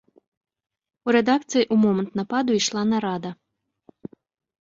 У рэдакцыі ў момант нападу ішла нарада.